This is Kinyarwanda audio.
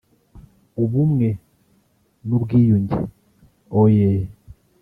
ubumwe n’ubwiyunge oyee